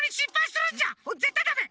ぜったいダメ！